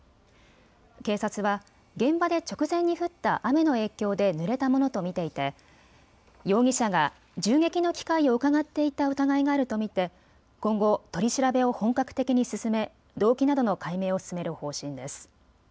警察は現場で直前に降った雨の影響でぬれたものと見ていて容疑者が銃撃の機会をうかがっていた疑いがあると見て今後、取り調べを本格的に進め動機などの解明を進める方針です。